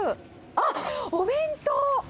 あっ、お弁当。